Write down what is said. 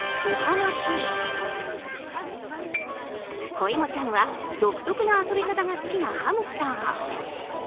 こいもちゃんは独特な遊び方が好きなハムスター。